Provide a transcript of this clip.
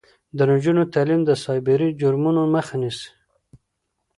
د نجونو تعلیم د سایبري جرمونو مخه نیسي.